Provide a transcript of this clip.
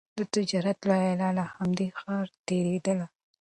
د تجارت لویه لاره له همدې ښاره تېرېدله.